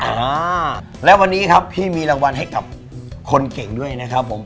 อ่าและวันนี้ครับพี่มีรางวัลให้กับคนเก่งด้วยนะครับผม